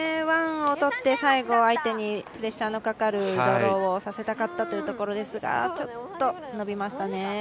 ワンを取って最後、相手にプレッシャーのかかるドローをさせたかったというところですがちょっと伸びましたね。